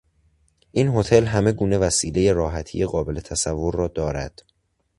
این هتل همه گونه وسیلهی راحتی قابل تصور را دارد.